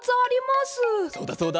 そうだそうだ。